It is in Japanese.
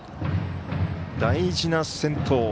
大事な先頭。